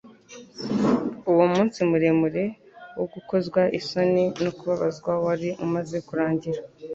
Uwo munsi muremure wo gukozwa isoni no kubabazwa wari umaze kurangira.